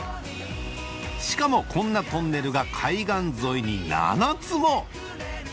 しかもこんなトンネルが海岸沿いに７つも！